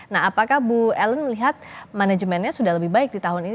nah apakah bu ellen melihat manajemennya sudah lebih baik di tahun ini